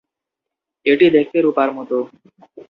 এটি দেখতে রূপার মতো।